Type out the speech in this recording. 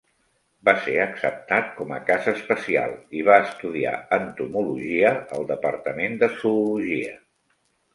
Va ser acceptat com a cas especial, i va estudiar entomologia al Departament de Zoologia.